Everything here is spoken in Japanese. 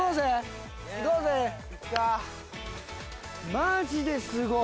マジですごい。